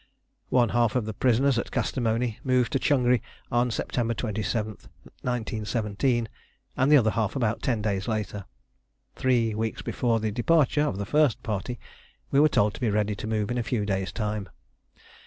One half of the prisoners at Kastamoni moved to Changri on September 27, 1917, the other half about ten days later. Three weeks before the departure of the first party we were told to be ready to move in a few days' time.